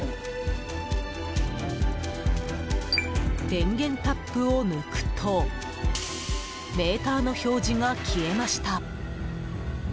電源タップを抜くとメーターの表示が消えました。